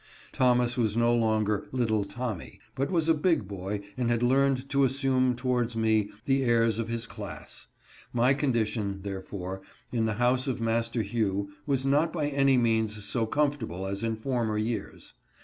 Thomas was no longer " little Tom my," but was a big boy and had learned to assume towards me the airs of his class. My condition, therefore, in the house of Master Hugh was not by any means so com fortable as in former years.